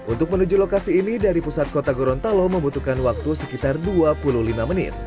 untuk menuju lokasi ini dari pusat kota gorontalo membutuhkan waktu sekitar dua puluh lima menit